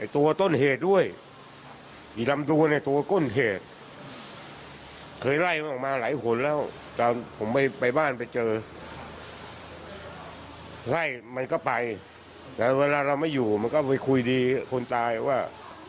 แต่เวลาเราไม่อยู่มันก็คุยดีคนตายว่า